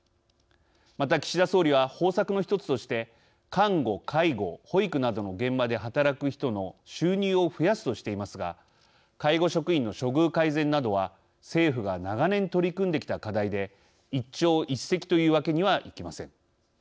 また、岸田総理は方策の１つとして「看護・介護・保育などの現場で働く人の収入を増やす」としていますが介護職員の処遇改善などは政府が長年取り組んできた課題で一朝一夕というわけにはいきません。